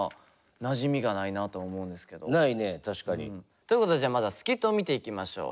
確かに。ということでじゃあまずはスキットを見ていきましょう。